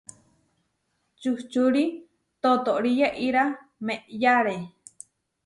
Čuhčúri totóri yeʼíra meʼyáre.